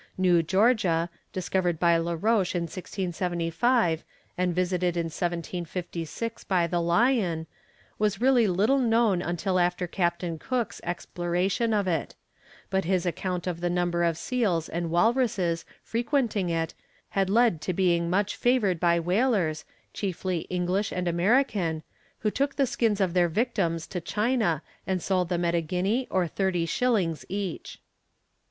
New Georgia, discovered by La Roche in 1675, and visited in 1756 by the Lion, was really little known until after Captain Cook's exploration of it, but his account of the number of seals and walruses frequenting it had led to being much favoured by whalers, chiefly English and American, who took the skins of their victims to China and sold them at a guinea or thirty shillings each.